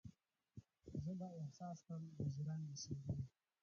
زه به احساس کړمه د ژرندې شیبې